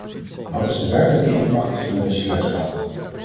Wat is de werkelijke impact van deze kletspraat?